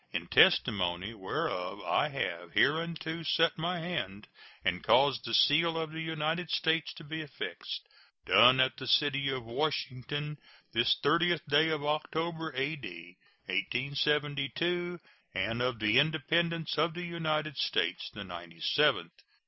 In testimony whereof I have hereunto set my hand and caused the seal of the United States to be affixed. [SEAL.] Done at the city of Washington, this 30th day of October, A.D. 1872, and of the Independence of the United States the ninety seventh.